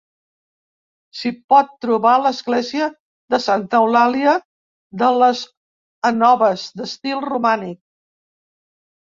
S'hi pot trobar l'església de Santa Eulàlia de les Anoves, d'estil romànic.